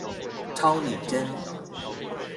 超擬真！